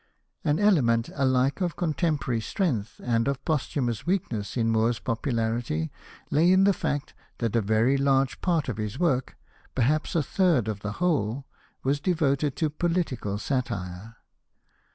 ^ An element alike of contemporary stength and of posthumous weakness in Moore's popularity lay in the fact that a very large part of his work, perhaps a third of the whole, was devoted to political satire.